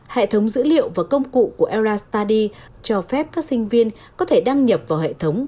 hệ thống dữ liệu và công cụ của elra study cho phép các sinh viên có thể đăng nhập vào hệ thống